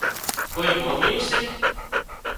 ڪوئي ماميون سي